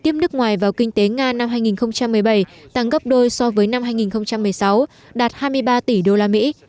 tiếp nước ngoài vào kinh tế nga năm hai nghìn một mươi bảy tăng gấp đôi so với năm hai nghìn một mươi sáu đạt hai mươi ba tỷ đô la mỹ